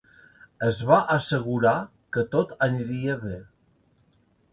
Es va assegurar que tot aniria bé.